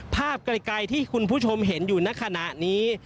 ภาพไกลที่คุณผู้ชมเห็นอยู่ในขณะนี้